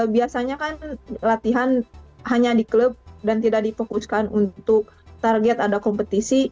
biasanya kan latihan hanya di klub dan tidak dipokuskan untuk target ada kompetisi